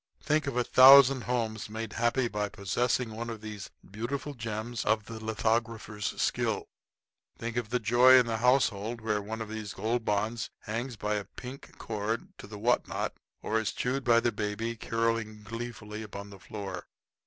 Think of a thousand homes made happy by possessing one of these beautiful gems of the lithographer's skill! Think of the joy in the household where one of these Gold Bonds hangs by a pink cord to the what not, or is chewed by the baby, caroling gleefully upon the floor!